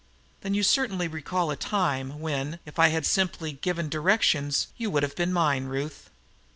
"Then you certainly recall a time when, if I had simply given directions, you would have been mine, Ruth.